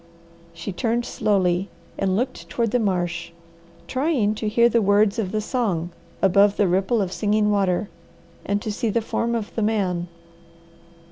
She turned slowly and looked toward the marsh, trying to hear the words of the song above the ripple of Singing Water, and to see the form of the man.